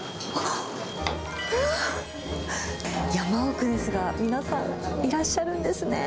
うわっ、山奥ですが、皆さん、いらっしゃるんですね。